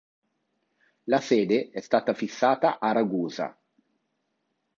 La sede è stata fissata a Ragusa.